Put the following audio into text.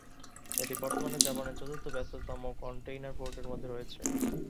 এটি বর্তমানে জাপানের চতুর্থ ব্যস্ততম কন্টেইনার পোর্টের মধ্যে রয়েছে।